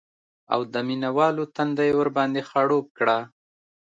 او د مینه والو تنده یې ورباندې خړوب کړه